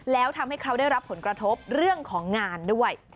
แล้วทำให้เขาได้รับผลกระทบเรื่องของงานด้วย